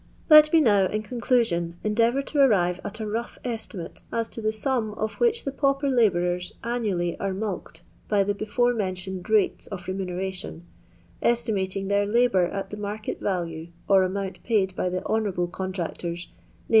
Let me now, in conclusion, endeavour to arrive at a rough estimate as to the sum of which the pauper labours annually arc mulct by the before mentioned rates of remuneration, estimating their labour at the market value or amount paid by the honourable contractors, vis.